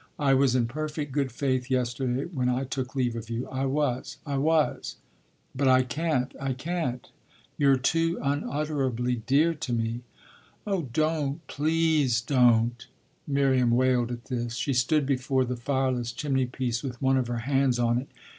"I was in perfect good faith yesterday when I took leave of you. I was I was. But I can't I can't: you're too unutterably dear to me." "Oh don't please don't!" Miriam wailed at this. She stood before the fireless chimney piece with one of her hands on it.